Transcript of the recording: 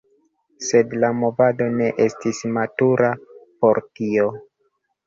Sed la movado ne estis matura por tio.